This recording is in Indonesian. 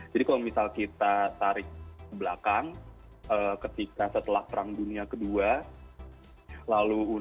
jadi menurut saya orang orang bullies kalau soap operen akan kena keputusan